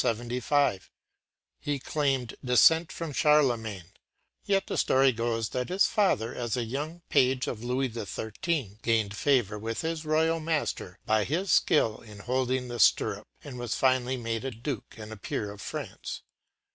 He claimed descent from Charlemagne, but the story goes that his father, as a young page of Louis XIII., gained favour with his royal master by his skill in holding the stirrup, and was finally made a duke and peer of France.